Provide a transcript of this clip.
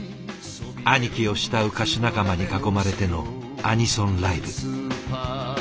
アニキを慕う歌手仲間に囲まれてのアニソンライブ。